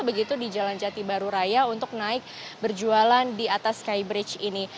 begitu di jalan jati baru raya untuk naik berjualan di atas skybridge ini